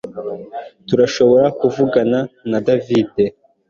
Turashobora kuvugana na David